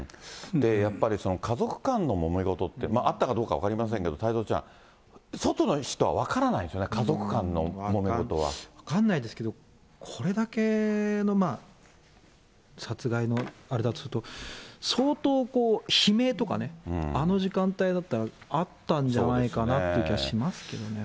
やっぱりその家族間のもめ事って、あったかどうか分かりませんけど、太蔵ちゃん、外の人は分からない分かんないですけど、これだけの殺害のあれだとすると、相当悲鳴とかね、あの時間帯だったら、あったんじゃないかなって気はしますけどね。